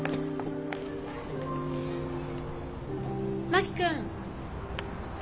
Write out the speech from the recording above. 真木君！